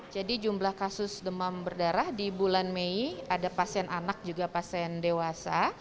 jadi jumlah kasus demam berdarah di bulan mei ada pasien anak juga pasien dewasa